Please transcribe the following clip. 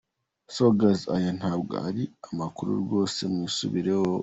So guys, aya ntabwo ari amakuru rwose, mwisubireho !!!!!.